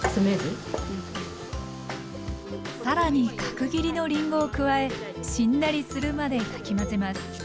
更に角切りのりんごを加えしんなりするまでかき混ぜます。